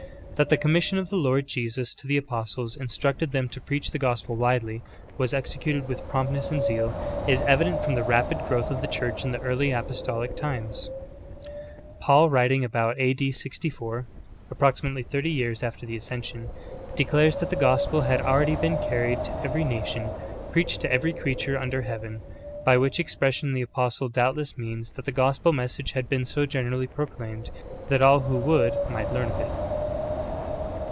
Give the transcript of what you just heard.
* 21. That the commission of the Lord Jesus to the apos tles, instructing them to preach the gospel widely, was exe cuted with promptness and zeal, is evident from the rapid growth of the Church in the early apostolic times" Paul, writing about A. D. 64 — approximately thirty years after the ascension — declares that the gospel had already been carried to every nation — "preached to every creature under heaven,"^ by which expression the apostle doubtless means that the gospel message had been so generally proclaimed, that all who would might learn of it.